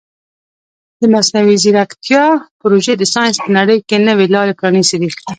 د مصنوعي ځیرکتیا پروژې د ساینس په نړۍ کې نوې لارې پرانیستې دي.